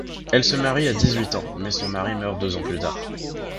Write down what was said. Elle se marie à dix-huit ans, mais son mari meurt deux ans plus tard.